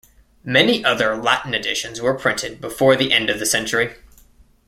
Many other Latin editions were printed before the end of the century.